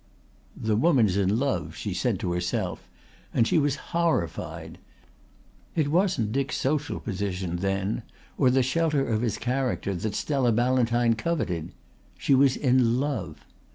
"That woman's in love," she said to herself and she was horrified. It wasn't Dick's social position then or the shelter of his character that Stella Ballantyne coveted. She was in love.